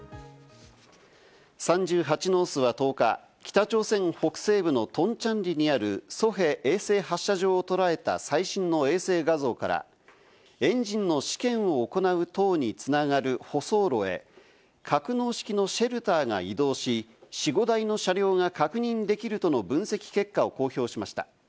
「３８ノース」は１０日、北朝鮮北西部のトンチャンリにあるソヘ衛星発射場を捉えた最新の衛星画像から、エンジンの試験を行う塔に繋がる舗装路へ格納式のシェルターが移動し、４５台の車両が確認できるとの分析結果を公表しました。